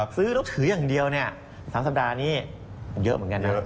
ซื้อนกถืออย่างเดียว๓สัปดาห์นี้เยอะเหมือนกันนะ